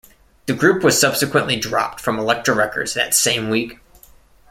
The group was subsequently dropped from Elektra Records that same week.